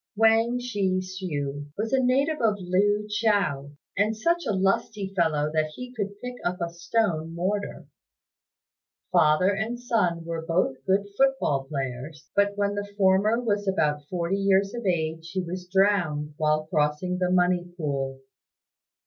Wang Shih hsiu was a native of Lu chou, and such a lusty fellow that he could pick up a stone mortar. Father and son were both good foot ball players; but when the former was about forty years of age he was drowned while crossing the Money Pool.